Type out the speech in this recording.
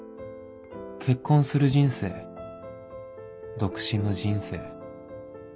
結婚する人生独身の人生